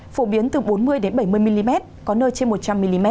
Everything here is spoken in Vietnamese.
phổ biến từ bốn mươi bảy mươi mm có nơi trên một trăm linh mm